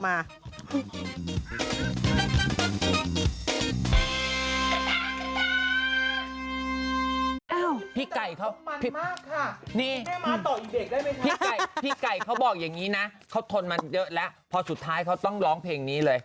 ถ้าเกี่ยวเลยเค้าจะบอกพี่ไก่เค้าบอกอย่างนี้นะเค้าทนมันเยอะแรกพอสุดท้ายเค้าต้องร้องเพลงนี้เลย